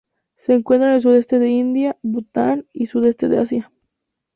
Se encuentran en el sudeste de India, Bután y sudeste de Asia.